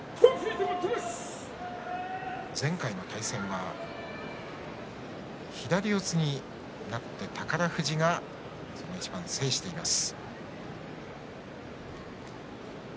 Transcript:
前回の対戦は左四つになって宝富士がその一番を制しています。